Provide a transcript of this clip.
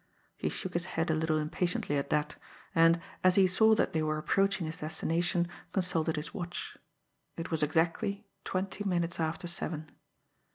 He shook his head a little impatiently at that; and, as he saw that they were approaching his destination, consulted his watch. It was exactly twenty minutes after seven.